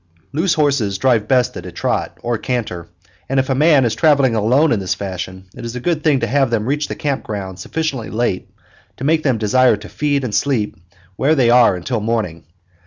Loose horses drive best at a trot, or canter, and if a man is traveling alone in this fashion it is a good thing to have them reach the camp ground sufficiently late to make them desire to feed and sleep where they are until morning.